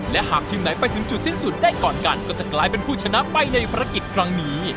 และหากทีมไหนไปถึงจุดสิ้นสุดได้ก่อนกันก็จะกลายเป็นผู้ชนะไปในภารกิจครั้งนี้